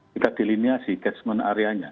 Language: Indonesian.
kita delineasi getsmen area nya